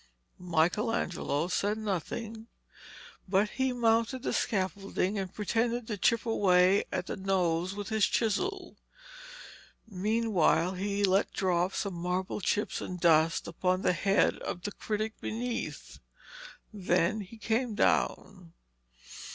Michelangelo said nothing, but he mounted the scaffolding and pretended to chip away at the nose with his chisel. Meanwhile he let drop some marble chips and dust upon the head of the critic beneath. Then he came down.